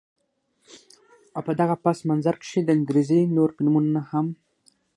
او په دغه پس منظر کښې د انګرېزي نور فلمونه هم